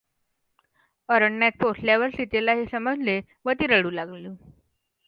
अरण्यात पोहोचल्यावर सीतेला हे समजले व ती रडू लागली.